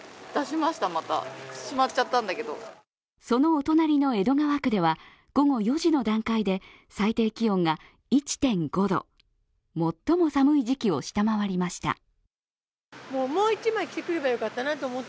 そのお隣の江戸川区では午後４時の段階で最低気温が１．５度、最も寒い時期を下回りました。